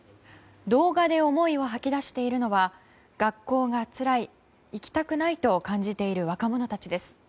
動画で思いを吐き出しているのは学校がつらい、行きたくないと感じている若者たちです。